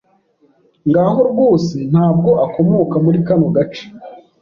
Ngabo rwose ntabwo akomoka muri kano gace.